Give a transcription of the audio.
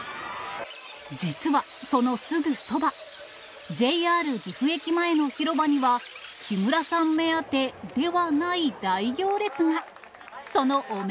実は、そのすぐそば、ＪＲ岐阜駅前の広場には、木村さん目当てではない大行列が。